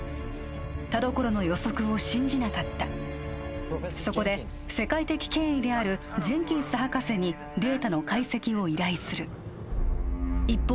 田所の予測を信じなかったそこで世界的権威であるジェンキンス博士にデータの解析を依頼する一方